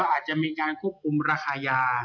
อาจจะมีการควบคุมราคายา